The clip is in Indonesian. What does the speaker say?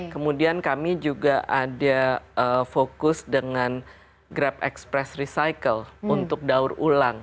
kemudian kami juga ada fokus dengan grab express recycle untuk daur ulang